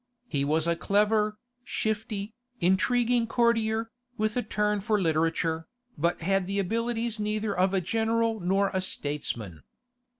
He was a clever, shifty, intriguing courtier, with a turn for literature, but had the abilities neither of a general nor of a statesman.